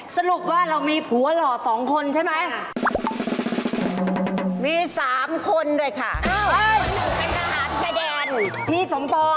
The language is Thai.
แซ่บจริงนะเบนเห็นไหม